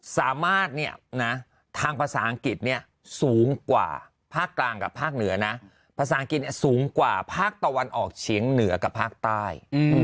สามารถเนี่ยนะทางภาษาอังกฤษเนี่ยสูงกว่าภาคกลางกับภาคเหนือนะภาษาอังกฤษสูงกว่าภาคตะวันออกเฉียงเหนือกับภาคใต้